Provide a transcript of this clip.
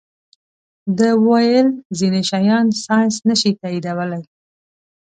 ده ویل ځینې شیان ساینس نه شي تائیدولی.